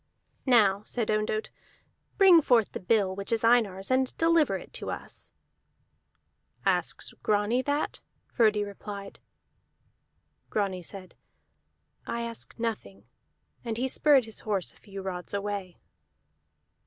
"Now," said Ondott, "bring forth the bill which is Einar's, and deliver it to us." "Asks Grani that?" Frodi replied. Grani said, "I ask nothing." And he spurred his horse a few rods away.